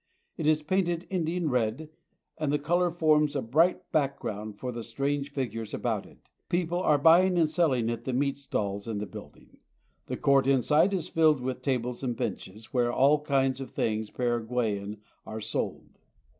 It is painted Indian red, and the color forms a bright background for the strange figures about it. People are buying and selling at the meat stalls in the building. The court inside is filled with tables and benches, where all kinds of things Paraguayan are sold.